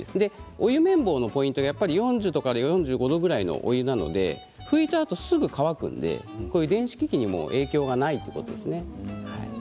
お湯綿棒のポイントは４０度から４５度くらいのお湯なので拭いたあとにすぐに乾くので電子機器にも影響がないということですね。